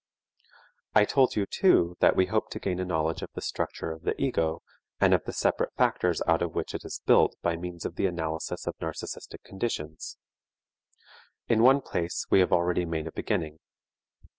I told you, too, that we hoped to gain a knowledge of the structure of the ego, and of the separate factors out of which it is built by means of the analysis of narcistic conditions. In one place we have already made a beginning.